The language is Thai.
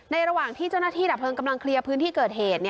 ระหว่างที่เจ้าหน้าที่ดับเพลิงกำลังเคลียร์พื้นที่เกิดเหตุ